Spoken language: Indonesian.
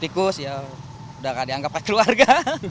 tikus ya udah gak dianggap keluarga